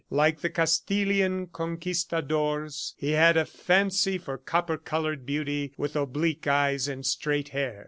Like the Castilian conquistadors, he had a fancy for copper colored beauty with oblique eyes and straight hair.